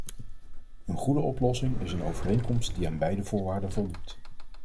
Een goede oplossing is een overeenkomst die aan beide voorwaarden voldoet.